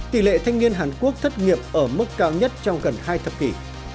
tỷ lệ thanh niên hàn quốc thất nghiệp ở mức cao nhất trong gần hai thập kỷ